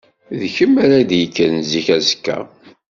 D kemm ara d-yekkren zik azekka.